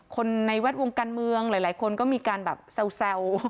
ในแวดวงการเมืองหลายคนก็มีการแบบแซว